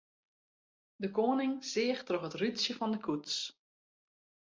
De koaning seach troch it rútsje fan de koets.